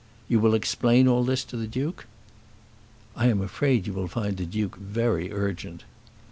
You will explain all this to the Duke?" "I am afraid you will find the Duke very urgent."